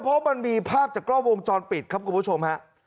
เพราะมันมีภาพจากกล้องวงจรปิดครับคุณผู้ชมฮะ